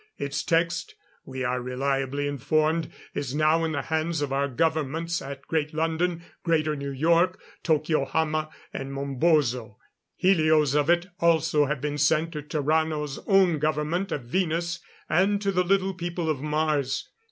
Its text, we are reliably informed, is now in the hands of our Governments at Great London, Greater New York, Tokyohama and Mombozo. Helios of it also have been sent to Tarrano's own government of Venus and to the Little People of Mars.